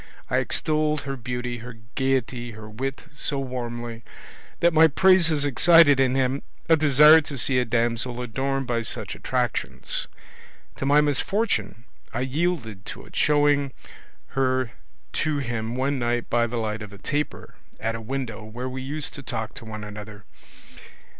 I extolled her beauty, her gaiety, her wit, so warmly, that my praises excited in him a desire to see a damsel adorned by such attractions. To my misfortune I yielded to it, showing her to him one night by the light of a taper at a window where we used to talk to one another.